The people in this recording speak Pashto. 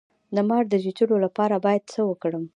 د مار د چیچلو لپاره باید څه وکړم؟